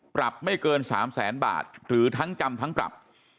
ปรับไม่เกิน๓แสนบาทหรือทั้งจำทั้งปรับ